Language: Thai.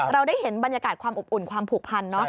เราได้เห็นบรรยากาศความอบอุ่นความผูกพันเนาะ